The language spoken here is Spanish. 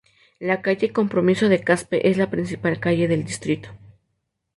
La calle Compromiso de Caspe es la principal calle del distrito.